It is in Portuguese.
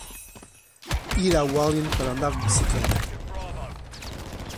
Ir a Hualien para andar de bicicleta